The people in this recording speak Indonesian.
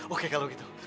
oke kalau gitu